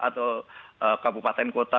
atau kabupaten kota